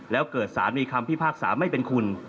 แล้วเกิดสารมีคำพิพากษาไม่เป็นคุณ